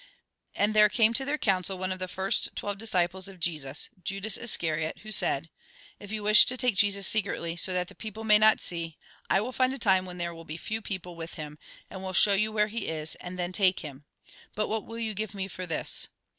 And there came to their council one of the first twelve disciples of Jesus, Judas Iscariot, who said :" If you wish to take Jesus secretly, so that the people may not see, I will find a time when there will be few people with him, and will show you where he is ; and then take him. But what will you give me for this